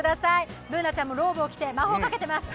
Ｂｏｏｎａちゃんもローブを着て魔法を書けてます。